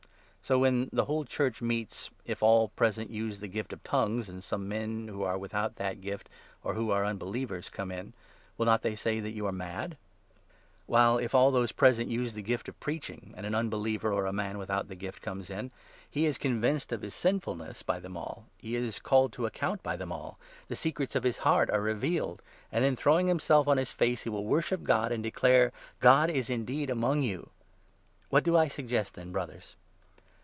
So, 23 when the whole Church meets, if all present use the gift of 'tongues,' and some men who are without the gift, or who are unbelievers, come in, will not they say that you are mad ? While, if all those present use the gift of preaching, and an 24 unbeliever, or a man without the gift, comes in, he is con vinced of his sinfulness by them all, he is called to account by them all ; the secrets of his heart are revealed, and then, 25 throwing himself on his face, he will worship God, and declare "' God is indeed among you !'" What do I suggest, then, Brothers